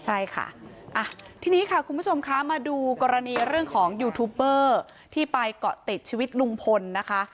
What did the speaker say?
ใช่ค่ะทีนี้ค่ะคุณผู้ชมคะมาดูกรณีเรื่องของยูทูปเบอร์ที่ไปเกาะติดชีวิตลุงพลนะคะ